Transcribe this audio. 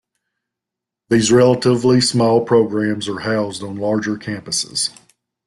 These relatively small programs are housed on larger campuses.